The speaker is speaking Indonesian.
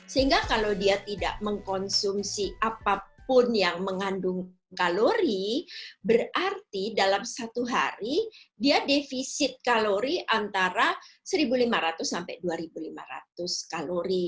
sehingga kalau dia tidak mengkonsumsi apapun yang mengandung kalori berarti dalam satu hari dia defisit kalori antara satu lima ratus sampai dua lima ratus kalori